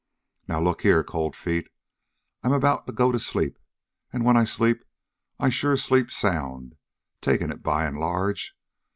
"Now, look here, Cold Feet, I'm about to go to sleep, and when I sleep, I sure sleep sound, taking it by and large.